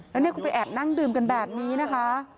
แล้วเนี่ยคุณไปแอบนั่งดื่มกันแบบนี้นะคะ